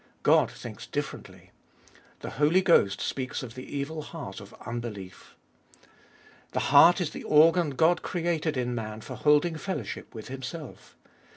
God thinks differently. The Holy Ghost speaks of the evil heart of unbelief. The heart is the organ God created in man for holding fellowship with Himself.